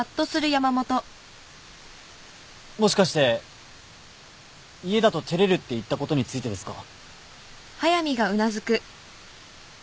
もしかして「家だと照れる」って言ったことについてですか？